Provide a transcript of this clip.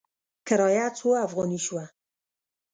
کرایه څو افغانې شوه؟